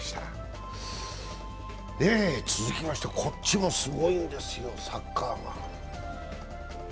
続きましてこっちもすごいんですよ、サッカーが。